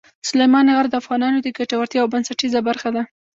سلیمان غر د افغانانو د ګټورتیا یوه بنسټیزه برخه ده.